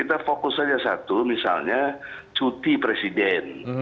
kita fokus saja satu misalnya cuti presiden